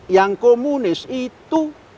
yang komunis itu